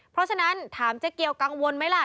เพราะฉะนั้นถามเจ๊เกียวกังวลไหมล่ะ